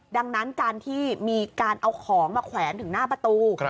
ดังนั้นการที่มีการเอาของมาแขวนถึงหน้าประตู